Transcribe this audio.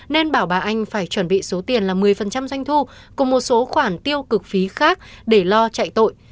nên bảo bà anh phải chuẩn bị số tiền là một mươi doanh thu cùng một số khoản tiêu cực phí khác để lo chạy tội